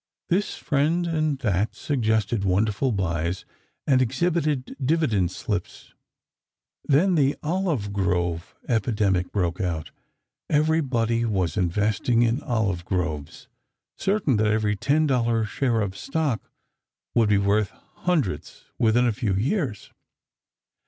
This friend and that suggested wonderful "buys," and exhibited dividend slips. Then the "olive grove" epidemic broke out. Everybody was investing in olive groves, certain that every ten dollar share of stock would be worth hundreds within a few years.